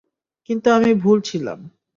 কিন্তু আমি ভুল ছিলাম।